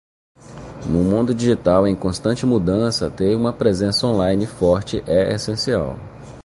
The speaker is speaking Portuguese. Num mundo digital em constante mudança, ter uma presença online forte é essencial.